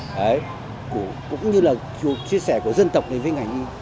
đấy cũng như là sự chia sẻ của dân tộc này với ngành y